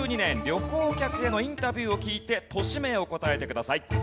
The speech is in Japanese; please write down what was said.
旅行客へのインタビューを聞いて都市名を答えてください。